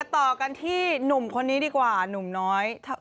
ต่อกันที่หนุ่มคนนี้ดีกว่าหนุ่มน้อย